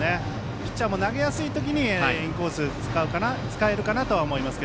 ピッチャーも投げやすいときにインコースを使えるかなと思います。